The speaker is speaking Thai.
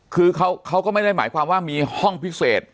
คือเขาก็ไม่ได้หมายความว่ามีห้องพิเศษ